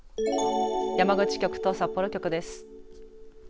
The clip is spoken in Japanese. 山口局と札幌局です。